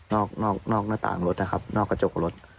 นอกหน้าต่างรถนะครับนอกกระจกรถ